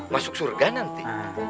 masuk surga nanti